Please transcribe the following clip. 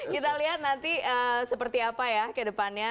kita lihat nanti seperti apa ya ke depannya